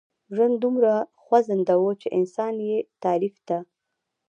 ژوند دومره خوځنده و چې انسان يې تعريف ته.